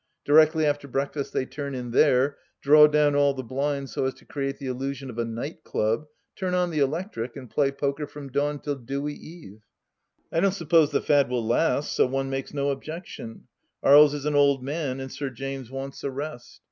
Directly after breakfast they turn in there, draw down all the blinds so as to create the illusion of a night club, turn on the electric, and play Poker from dawn till dewy ^ve. I don't suppose the fad will last, so one makes no objection ; Aries is an old man, and Sir James wants a rest.